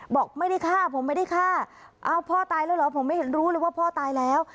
บอกไม่ได้ฆ่าผมไม่ได้ฆ่าเอ้าพ่อตายแล้วเหรอผมไม่เห็นรู้เลยว่าพ่อตายแล้ว